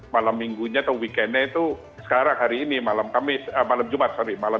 malam minggunya atau weekend nya itu sekarang hari ini malam jumat